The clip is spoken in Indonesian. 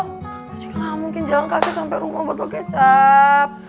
makanya gak mungkin jalan kaki sampai rumah botol kecap